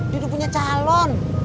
dia udah punya calon